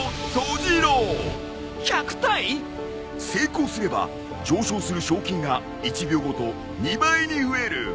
成功すれば上昇する賞金が１秒ごと２倍に増える。